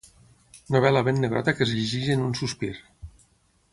Novel·la ben negrota que es llegeix en un sospir.